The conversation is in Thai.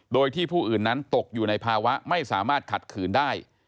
โดยที่ผู้อื่นนั้นตกอยู่ในภาวะไม่สามารถขัดขืนได้